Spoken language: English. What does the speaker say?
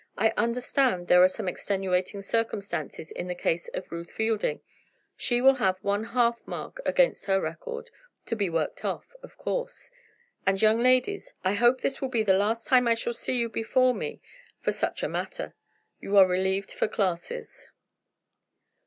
"I understand there are some extenuating circumstances in the case of Ruth Fielding. She will have one half mark against her record to be worked off, of course. And, young ladies, I hope this will be the last time I shall see you before me for such a matter. You are relieved for classes."